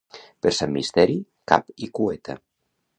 Per Sant Misteri, cap i cueta.